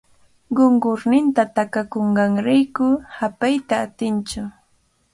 Qunqurninta takakunqanrayku hapayta atintsu.